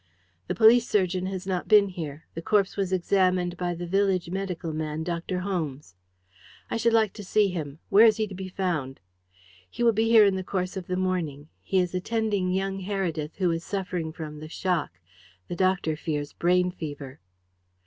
"The police surgeon has not been here. The corpse was examined by the village medical man, Dr. Holmes." "I should like to see him. Where is he to be found?" "He will be here in the course of the morning. He is attending young Heredith, who is suffering from the shock. The doctor fears brain fever."